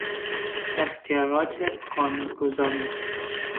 اختیارات قانونگذاری